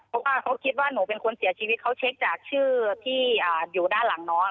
เพราะว่าเขาคิดว่าหนูเป็นคนเสียชีวิตเขาเช็คจากชื่อที่อยู่ด้านหลังน้อง